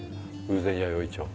偶然弥生町。